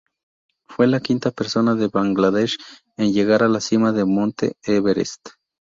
Fue la quinta persona de Bangladesh en llegar a la cima del monte Everest.